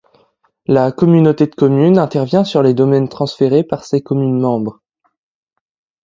La Communauté de Communes intervient sur les domaines transférés par ses communes membres.